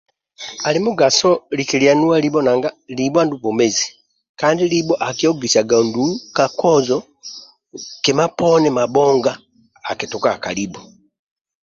Ali mugaso likililua nuwa libo nanga libo andulu bwomezi kandi libo akihogisaga ndylu kakozo kima poni mabonga akitukaga ka kalibo